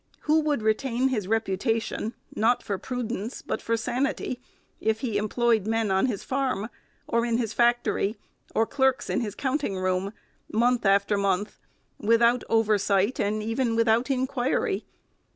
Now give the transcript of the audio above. Who would retain his reputation, not for prudence, but for sanity, if he employed men on his farm, or in his fac tory, or clerks in his counting room, month after month, without oversight and even without inquiry